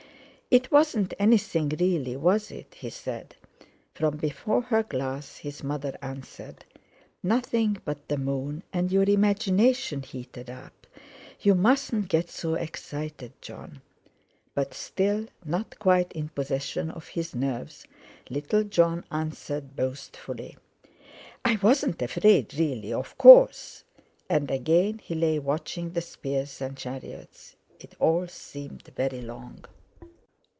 "It wasn't anything, really, was it?" he said. From before her glass his mother answered: "Nothing but the moon and your imagination heated up. You mustn't get so excited, Jon." But, still not quite in possession of his nerves, little Jon answered boastfully: "I wasn't afraid, really, of course!" And again he lay watching the spears and chariots. It all seemed very long.